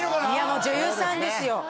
もう女優さんですよ